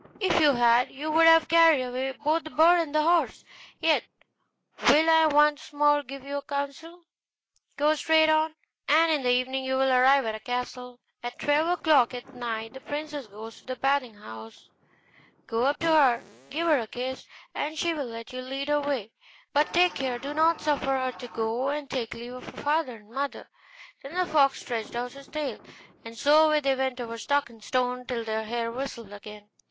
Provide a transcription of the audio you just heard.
If you had, you would have carried away both the bird and the horse; yet will I once more give you counsel. Go straight on, and in the evening you will arrive at a castle. At twelve o'clock at night the princess goes to the bathing house: go up to her and give her a kiss, and she will let you lead her away; but take care you do not suffer her to go and take leave of her father and mother.' Then the fox stretched out his tail, and so away they went over stock and stone till their hair whistled again.